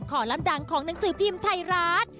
ของขอลำดังของหนังสือพิมพ์ไทรัตท์